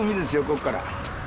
こっから。